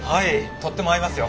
とっても合いますよ。